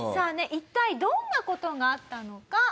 一体どんな事があったのか？